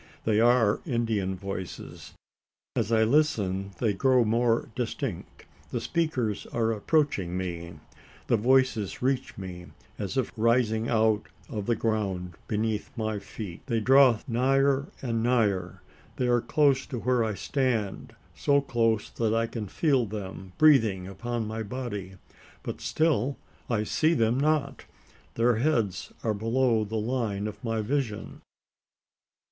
They are Indian voices. As I listen they grow more distinct. The speakers are approaching me the voices reach me, as if rising out of the ground beneath my feet! They draw nigher and nigher. They are close to where I stand so close that I can feel them breathing upon my body but still I see them not. Their heads are below the line of my vision.